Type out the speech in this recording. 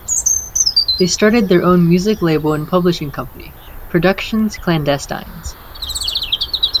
They started their own music label and publishing company, Productions Clandestines.